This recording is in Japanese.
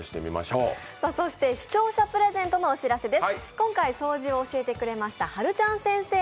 視聴者プレゼントのお知らせです。